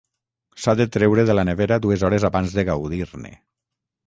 S'ha de treure de la nevera dues hores abans de gaudir-ne.